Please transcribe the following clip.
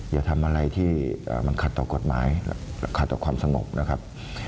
อย่าทำอะไรที่มันขัดต่อกฎหมายขัดต่อความสงบนะครับ